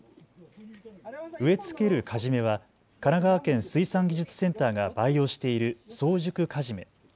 植え付けるカジメは神奈川県水産技術センターが培養している早熟カジメ。